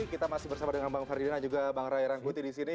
kita masih bersama dengan bang ferdinand juga bang raya rangkuti disini